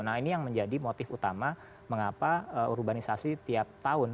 nah ini yang menjadi motif utama mengapa urbanisasi tiap tahun